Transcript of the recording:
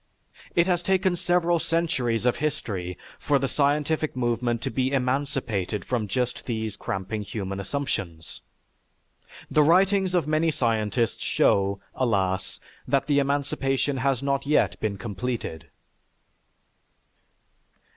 It has taken several centuries of history for the scientific movement to be emancipated from just these cramping human assumptions. The writings of many scientists show, alas, that the emancipation has not yet been completed.